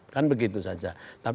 kan begitu saja